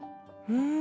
うん。